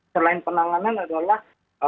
selain penanganan adalah